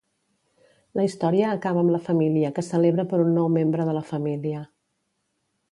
La història acaba amb la família que celebra per un nou membre de la família.